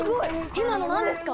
今の何ですか？